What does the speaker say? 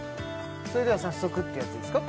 「それでは早速」ってやつですか